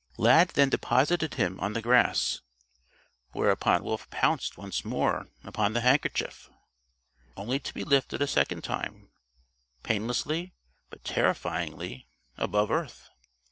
Lad then deposited him on the grass whereupon Wolf pounced once more upon the handkerchief, only to be lifted a second time, painlessly but terrifyingly, above earth.